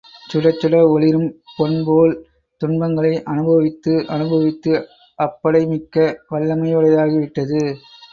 சுடச்சுட ஒளிரும்பொன்பொல், துன்பங்களை அனுபவித்து, அனுபவித்து அப்படை மிக்க வல்லமையுைடயதாகிவிட்டது.